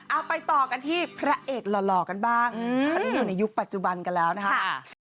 เอาไปต่อกันที่พระเอกหล่อกันบ้างคราวนี้อยู่ในยุคปัจจุบันกันแล้วนะคะ